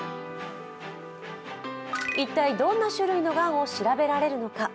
一体、どんな種類のがんを調べられるのか。